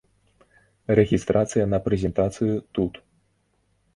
Рэгістрацыя на прэзентацыю тут.